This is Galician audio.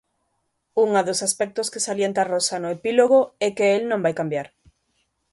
Unha dos aspectos que salienta Rosa no epílogo é que el non vai cambiar.